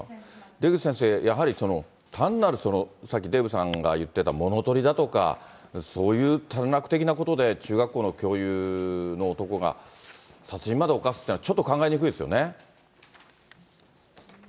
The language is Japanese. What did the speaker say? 出口先生、やはりその単なる、さっきデーブさんが言ってた物取りだとか、そういう短絡的なことで中学校の教諭の男が殺人まで犯すっていうのはちょっと考えにくいですよね。